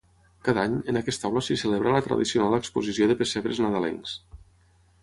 Cada any, en aquesta aula s'hi celebra la tradicional exposició de pessebres nadalencs.